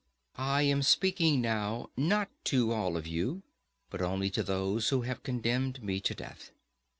I am speaking now not to all of you, but only to those who have condemned me to death.